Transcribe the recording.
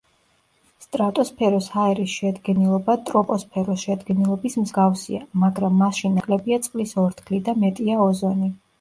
სტრატოსფეროს ჰაერის შედგენილობა ტროპოსფეროს შედგენილობის მსგავსია, მაგრამ მასში ნაკლებია წყლის ორთქლი და მეტია ოზონი.